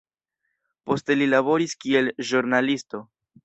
Poste li laboris kiel ĵurnalisto.